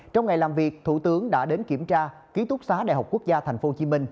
trong ngày làm việc thủ tướng đã đến kiểm tra ký túc xá đại học quốc gia tp hcm